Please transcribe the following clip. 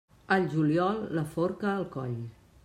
Al juliol, la forca al coll.